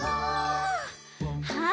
はい。